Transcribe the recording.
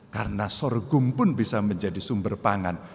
karena sorghum pun bisa menjadi sumber pangan